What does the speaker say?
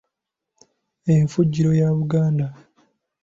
Enfugiro ya Buganda